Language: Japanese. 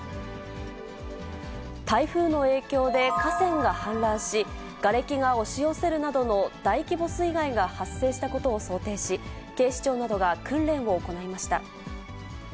台風の影響で、河川が氾濫し、がれきが押し寄せるなどの大規模水害が発生したことを想定し、警視庁などが訓練を行いました。